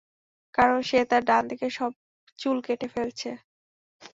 কারণ সে তার ডানদিকের সব চুল কেটে ফেলছে।